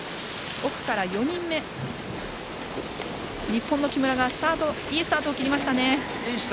奥から４人目日本の木村がいいスタートを切りましたね。